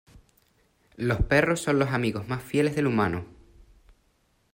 Los perros son los amigos más fieles del humano.